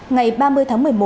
ngày ba mươi tháng một mươi một